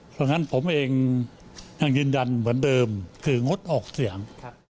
เพราะฉะนั้นผมเองยังยืนยันเหมือนเดิมคืองดออกเสียง